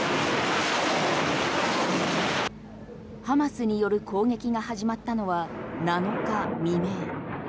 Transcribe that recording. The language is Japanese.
ハマスによる攻撃が始まったのは７日未明。